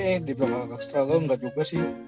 eh di belakang agak struggle gak juga sih